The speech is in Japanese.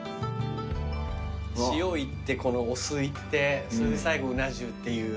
塩いってこのお酢いってそれで最後うな重っていう。